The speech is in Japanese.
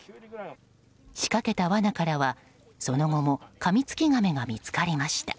仕掛けた罠からは、その後もカミツキガメが見つかりました。